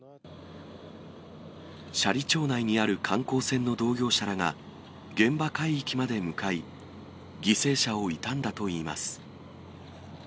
斜里町内にある観光船の同業者らが現場海域まで向かい、犠牲者を悼んだといいます。